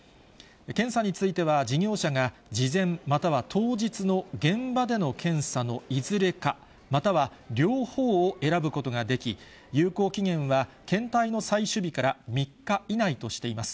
検査については、事業者が事前、または当日の現場での検査のいずれか、または両方を選ぶことができ、有効期限は検体の採取日から３日以内としています。